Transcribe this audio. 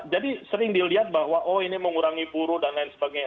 jadi sering dilihat bahwa oh ini mengurangi puro dan lain sebagainya